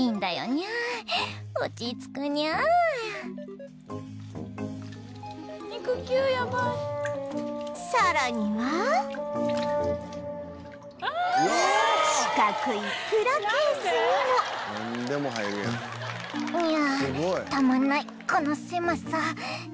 ニャーたまんないこの狭さ。